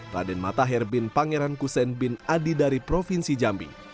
raden matahir bin pangeran kusen bin adi dari provinsi jambi